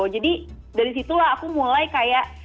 jadi dari situlah aku mulai kayak